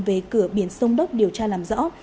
về cửa biển sông đốc điều tra làm rõ